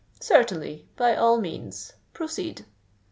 "Certainly—by all means. Proceed."